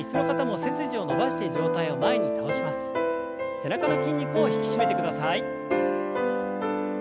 背中の筋肉を引き締めてください。